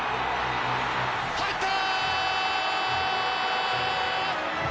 入った！